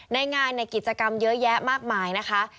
ในงานกิจกรรมเยอะแยะมากมายนะคะ